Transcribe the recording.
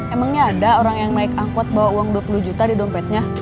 emangnya ada orang yang naik angkot bawa uang dua puluh juta di dompetnya